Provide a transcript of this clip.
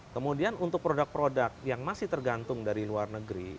kemudian untuk produk produk yang masih tergantung dari luar negeri